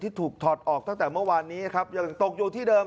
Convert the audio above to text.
ถูกถอดออกตั้งแต่เมื่อวานนี้นะครับยังตกอยู่ที่เดิม